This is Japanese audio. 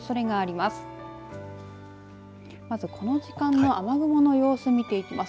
まずこの時間の雨雲の様子を見ていきます。